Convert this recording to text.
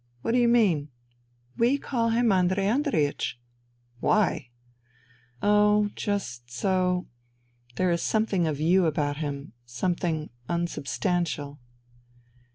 " What do you mean ?"" We call him Andrei Andreiech." " Why ?"" Oh, just so ... there is something of you about him ... something ... unsubstantial."